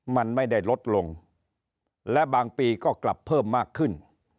มันไม่ได้ลดลงและบางปีก็กลับเพิ่มมากขึ้น